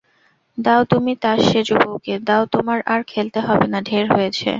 দাও তুমি তাস সেজবৌকে, দাও, তোমার আর খেলতে হবে না-ঢ়ের হয়েছে।